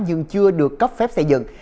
nhưng chưa được cấp phép xây dựng